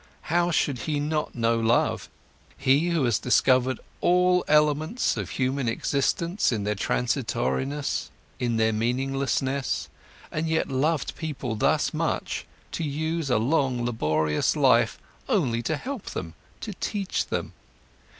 How should he not know love, he, who has discovered all elements of human existence in their transitoriness, in their meaninglessness, and yet loved people thus much, to use a long, laborious life only to help them, to teach them!